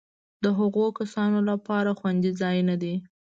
د هغو کسانو لپاره خوندي ځای نه دی.